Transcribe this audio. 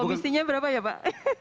oh iya komisinya berapa ya pak